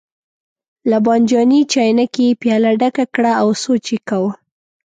له بانجاني چاینکې یې پیاله ډکه کړه او سوچ یې کاوه.